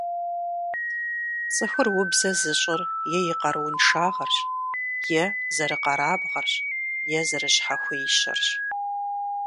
ЦӀыхур убзэ зыщӀыр е и къарууншагъэрщ, е зэрыкъэрабгъэрщ, е зэрыщхьэхуещэрщ.